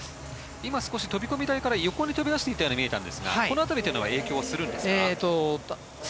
今、飛び込み台から横に飛び出していったように見えたんですがこの辺りは影響するんですか。